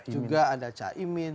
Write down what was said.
juga ada caimin